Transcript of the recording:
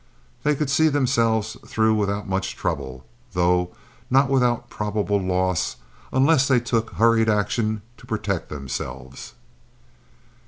They could see themselves through without much trouble, though not without probable loss unless they took hurried action to protect themselves.